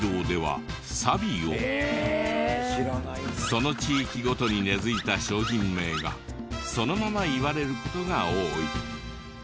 その地域ごとに根付いた商品名がそのまま言われる事が多い。